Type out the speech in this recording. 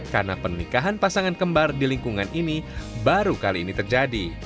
karena penikahan pasangan kembar di lingkungan ini baru kali ini terjadi